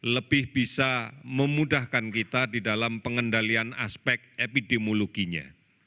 lebih bisa memudahkan kita di dalam pengendalian aspek epidemiologinya